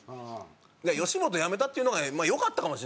吉本辞めたっていうのがよかったかもしれないです本当。